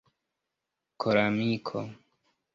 koramiko